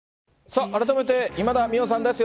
さあ、改めて今田美桜さんです。